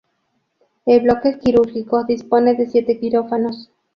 El bloque quirúrgico dispone de siete quirófanos.